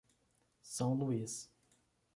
São Luís